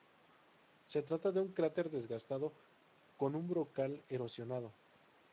Se trata de un cráter desgastado con un brocal erosionado.